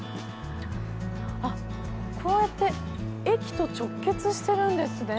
あっこうやって駅と直結してるんですね。